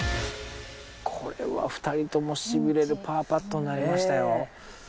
これは２人とも痺れるパーパットになりましたよ。